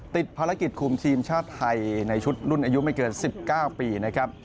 ติดภารกิจคุมทีมชาติไทยในชุดรุ่นอายุไม่เกิน๑๙ปีนะครับ